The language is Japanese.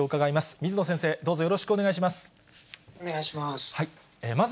水野先生、どうぞよろしくお願いします。